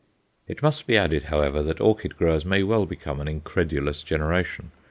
It must be added, however, that orchid growers may well become an incredulous generation.